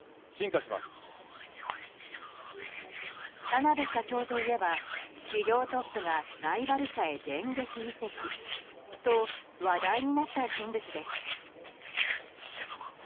田邊社長といえば企業トップがライバル社へ電撃移籍と話題になった人物です。